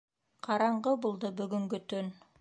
Ҡараңғы булды бөгөнгө төн.